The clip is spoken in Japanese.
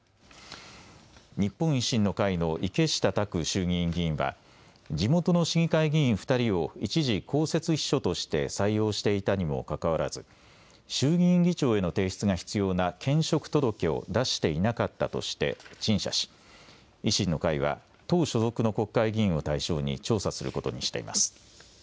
日本維新の会の池下卓衆議院議員は地元の市議会議員２人を一時、公設秘書として採用していたにもかかわらず衆議院議長への提出が必要な兼職届を出していなかったとして陳謝し、維新の会は党所属の国会議員を対象に調査することにしています。